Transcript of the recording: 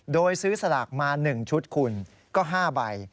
โดยซื้อสลากมา๑ชุดคุณก็๕ใบ